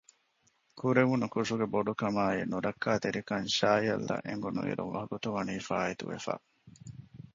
ކުރެވުނު ކުށުގެ ބޮޑުކަމާއި ނުރައްކާތެރިކަން ޝާޔަލްއަށް އެނގުނުއިރު ވަގުތުވަނީ ފާއިތުވެފަ